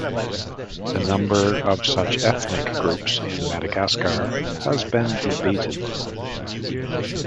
The number of such ethnic groups in Madagascar has been debated.